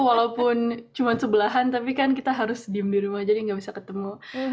walaupun cuma sebelahan tapi kan kita harus diem di rumah jadi nggak bisa ketemu